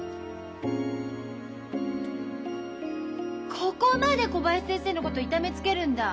ここまで小林先生のこと痛めつけるんだ。